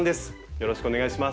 よろしくお願いします。